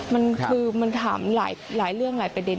มันคือมันถามหลายเรื่องหลายประเด็น